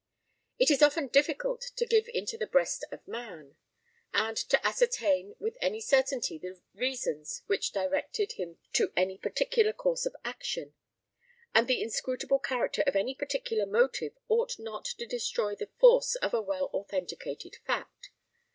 It is often difficult to dive into the breast of man, and to ascertain with any certainty the reasons which directed him to any particular course of action; and the inscrutable character of any particular motive ought not to destroy the force of a well authenticated fact.